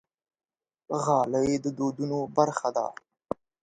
غالۍ د دودونو برخه ده.